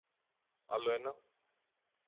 Άλλο ένα;